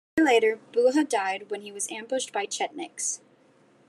A year later, Buha died when he was ambushed by Chetniks.